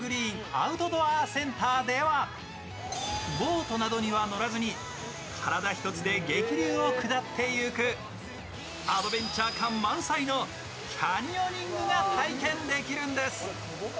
ボートなどには乗らずに体一つで激流を下っていくアドベンチャー感満載のキャニオニングが体験できるんです。